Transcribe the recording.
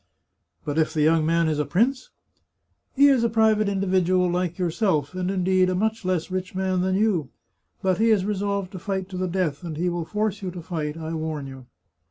" But if the young man is a prince ?"" He is a private individual, like yourself, and indeed a much less rich man than you. But he is resolved to fight to the death, and he will force you to fight, I warn you."